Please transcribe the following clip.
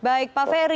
baik pak ferry